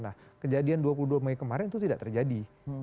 nah kejadian dua puluh dua mei kemarin itu tidak terjadi